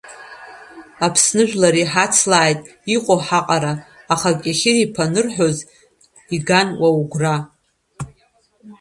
Аԥсныжәлар иҳацлааит иҟоу ҳаҟара, аха Кьехьыриԥа анырҳәоз иган уа угәра.